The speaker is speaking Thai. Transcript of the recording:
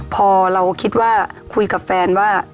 พอเราคิดว่าคุยกับแฟนว่า